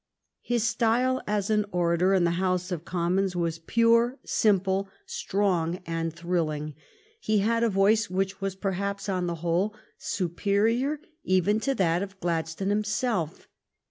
His style as an orator in the House of Com mons was pure, simple, strong, and thrilling. He had a voice which was perhaps, on the whole, superior even to that of Gladstone himself.